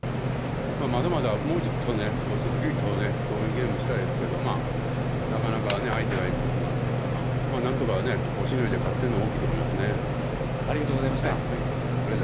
まだまだもうちょっとすっきりとそういうゲームしたいですけど相手がいることなのでなんとか、しのいで勝ってるのは大きいと思います。